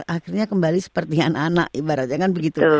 akhirnya kembali seperti anak anak ibaratnya kan begitu